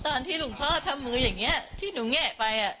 ตอนที่หลวงพ่อทำมืออย่างนี้ที่หนูแงะไป